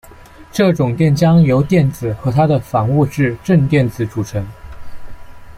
这种电浆由电子和它的反物质正电子组成。